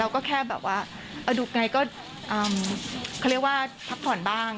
ก็แค่แบบว่าดูไกลก็เขาเรียกว่าพักผ่อนบ้าง